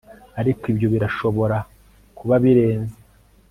ariko ibyo birashobora kuba birenze